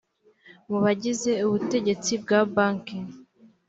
mu bagize ubutegetsi bwa banki